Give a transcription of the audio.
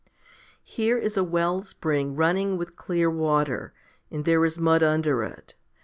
2. Here is a well spring running with clear water, and there is mud under it.